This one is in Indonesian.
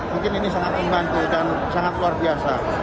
mungkin ini sangat membantu dan sangat luar biasa